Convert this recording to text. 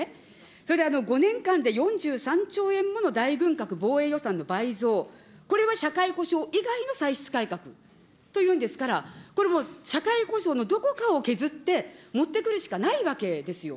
それで５年間で４３兆円もの大軍拡、防衛予算の倍増、これは社会保障以外の歳出改革というんですから、これもう、社会保障のどこかを削って、もってくるしかないわけですよ。